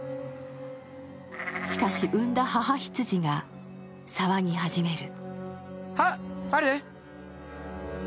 しかし、生んだ母羊が騒ぎ始める。